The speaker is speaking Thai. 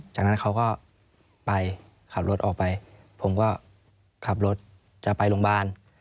จากนั้นเขาก็ไปขับรถออกไปผมก็ขับรถจะไปโรงพยาบาล